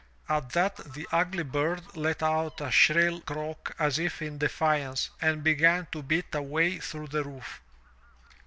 At that the ugly bird let out a shrill croak as if in defiance and began to beat a way through the roof.